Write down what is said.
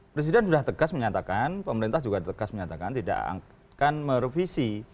presiden sudah tegas menyatakan pemerintah juga tegas menyatakan tidak akan merevisi